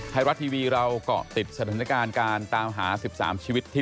ไทยรัตท์ทีวีเราก็ติดแสนการการตามหา๑๓ชีวิต